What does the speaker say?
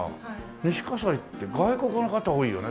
西西って外国の方多いよね。